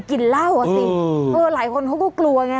ป้าคนนี้แกบอกว่าบางทีมานั่งทานอาหารล้านป้า